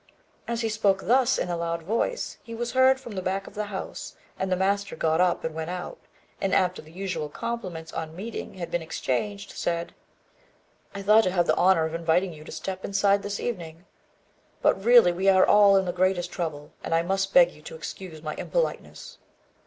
As he spoke thus in a loud voice, he was heard from the back of the house; and the master got up and went out, and, after the usual compliments on meeting had been exchanged, said "I ought to have the honour of inviting you to step inside this evening; but really we are all in the greatest trouble, and I must beg you to excuse my impoliteness."